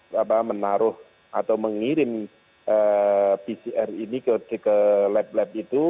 kita menaruh atau mengirim pcr ini ke lab lab itu